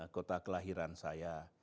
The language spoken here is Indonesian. kota kelahiran saya